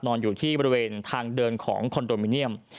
อยู่ที่บริเวณทางเดินของคอนโดมิเนียม